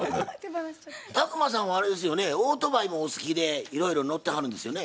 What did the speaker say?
宅麻さんはあれですよねオートバイもお好きでいろいろ乗ってはるんですよね？